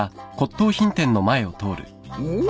おっ！